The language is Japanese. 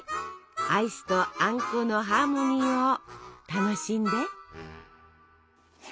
アイスとあんこのハーモニーを楽しんで。